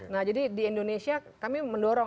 nah jadi di indonesia kami mendorong